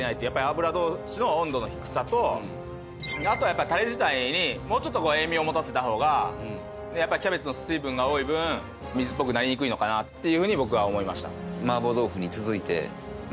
あとはやっぱタレ自体にもうちょっと塩味を持たせた方がやっぱりキャベツの水分が多い分水っぽくなりにくいのかなっていうふうに僕は思いました。